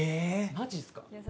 マジすか。